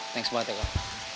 thanks banget ya kak